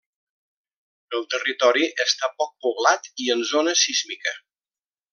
El territori està poc poblat i en zona sísmica.